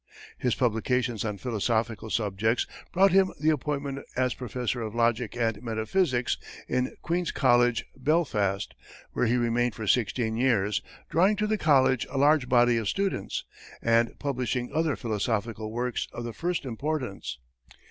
His publications on philosophical subjects brought him the appointment as professor of logic and metaphysics in Queen's College, Belfast, where he remained for sixteen years, drawing to the college a large body of students, and publishing other philosophical works of the first importance.